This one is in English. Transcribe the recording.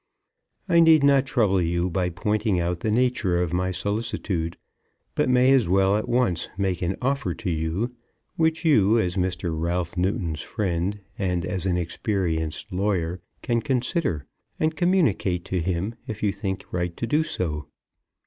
I need not trouble you by pointing out the nature of my solicitude, but may as well at once make an offer to you, which you, as Mr. Ralph Newton's friend, and as an experienced lawyer, can consider, and communicate to him, if you think right to do so.